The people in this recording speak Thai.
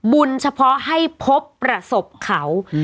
เฉพาะให้พบประสบเขา